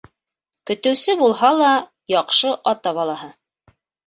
Көтөүсе булһа ла, яҡшы ата балаһы.